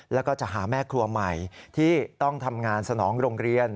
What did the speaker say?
แล้วก็จะหาแม่ครัวใหม่ที่ต้องทำงานสนองโรงเรียน